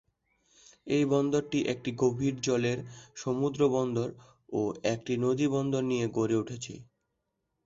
এই বন্দরটি একটি গভীর জলের সমুদ্র বন্দর ও একটি নদী বন্দর নিয়ে গড়ে উঠেছে।